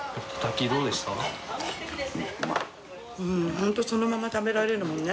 本当そのまま食べられるもんね。